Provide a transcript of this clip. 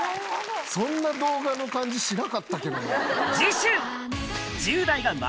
そんな動画の感じしなかったけどな。